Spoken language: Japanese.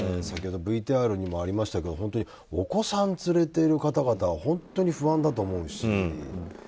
先ほどＶＴＲにもありましたけどお子さんを連れている方々は本当に不安だと思うし。